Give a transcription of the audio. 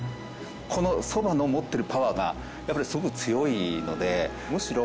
このそばの持ってるパワーがやっぱりすごく強いのでむしろ。